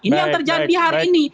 ini yang terjadi hari ini